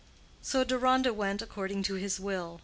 So Deronda went according to his will.